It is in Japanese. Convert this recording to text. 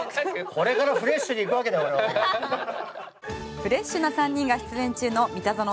フレッシュな３人が出演中の「ミタゾノ」